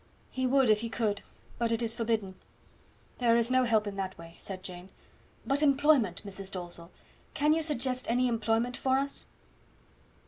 "He would if he could, but it is forbidden. There is no help in that way," said Jane. "But employment, Mrs. Dalzell; can you suggest any employment for us?"